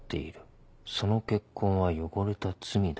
「その結婚は汚れた罪だ。